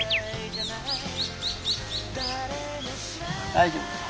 大丈夫。